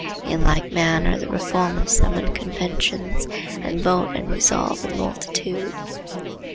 In like manner the reformers summon conventions and vote and resolve in multitude.